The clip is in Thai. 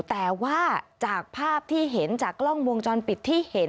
แต่ว่าจากภาพที่เห็นจากกล้องวงจรปิดที่เห็น